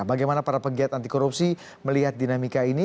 bagaimana para pegiat anti korupsi melihat dinamika ini